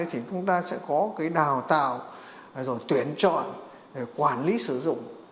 thì chúng ta sẽ có đào tạo tuyển chọn quản lý sử dụng